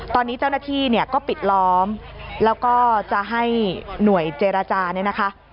ตอนนี้เจ้าหน้าที่ก็ปิดล้อมแล้วก็จะให้หน่วยเจรจาน